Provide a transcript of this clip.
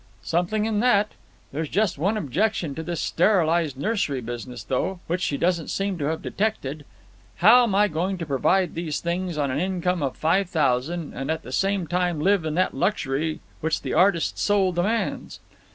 "Something in that. There's just one objection to this sterilized nursery business, though, which she doesn't seem to have detected. How am I going to provide these things on an income of five thousand and at the same time live in that luxury which the artist soul demands?